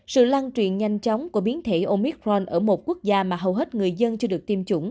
sự lan truyền nhanh chóng của biến thể omicron ở một quốc gia mà hầu hết người dân chưa được tiêm chủng